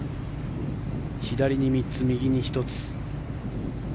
左に３つ、右に１つ。